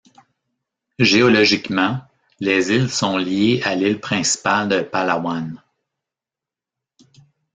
Géologiquement, les îles sont liées à l'île principale de Palawan.